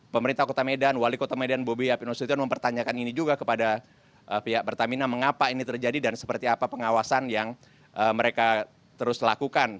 pemerintah kota medan wali kota medan bobi api nusution mempertanyakan ini juga kepada pihak pertamina mengapa ini terjadi dan seperti apa pengawasan yang mereka terus lakukan